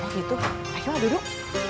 oh gitu ayo duduk